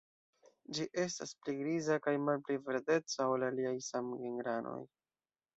Ĝi estas pli griza kaj malpli verdeca ol aliaj samgenranoj.